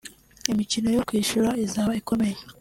imikino yo kwishyura izaba ikomeye